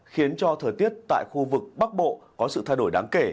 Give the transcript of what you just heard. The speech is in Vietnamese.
khiến cho thời tiết tại khu vực bắc bộ có sự thay đổi đáng kể